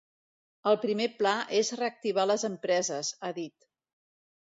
El primer pla és reactivar les empreses, ha dit.